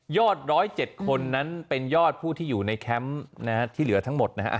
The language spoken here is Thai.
๑๐๗คนนั้นเป็นยอดผู้ที่อยู่ในแคมป์ที่เหลือทั้งหมดนะฮะ